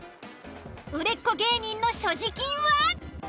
売れっ子芸人の所持金は！？